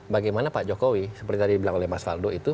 bagaimana pak jokowi seperti tadi dibilang oleh mas faldo itu